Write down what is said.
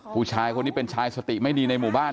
ผู้ชายคนนี้เป็นชายสติไม่ดีในหมู่บ้าน